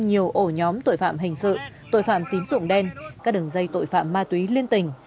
nhiều ổ nhóm tội phạm hình sự tội phạm tín dụng đen các đường dây tội phạm ma túy liên tỉnh